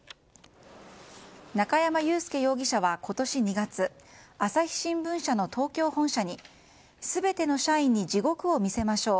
中山雄介容疑者は、今年２月朝日新聞社の東京本社に全ての社員に地獄を見せましょう。